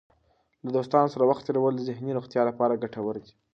له دوستانو سره وخت تېرول د ذهني روغتیا لپاره ګټور دی.